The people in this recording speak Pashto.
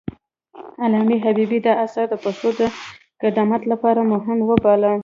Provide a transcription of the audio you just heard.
علامه حبيبي دا اثر د پښتو د قدامت لپاره مهم وباله.